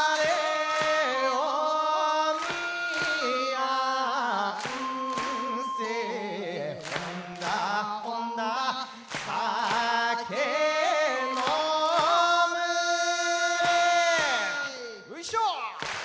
よいしょ！